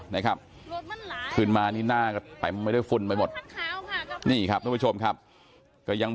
นะครับมาทีหน้าแต่ไม่ได้ฟุ้นไปหมดทุกผู้ชมครับก็ยัง